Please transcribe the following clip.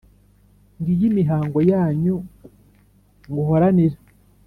ngiyi imihayo yanyu nguhoranira